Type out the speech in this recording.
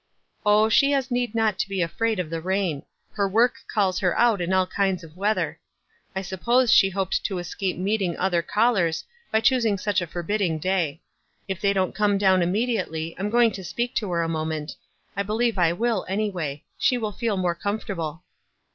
"Oh, she has need not to be afraid of the rain ; her work calls her out in all kinds of weather. I suppose she hoped to escape meet ing other callers, by choosing such a forbidding day. If they don't come down immediately I'm going to speak to her a moment. I believe I will, anyway. She will feel more comfortable."